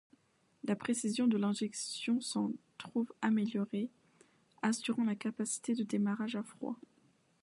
La précision de l'injection s’en trouve améliorée, assurant la capacité de démarrage à froid.